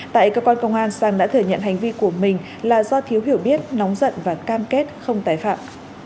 tại cơ quan công an sang đã thừa nhận hành vi của mình là do thiếu hiểu biết nóng giận và cam kết không tái phạm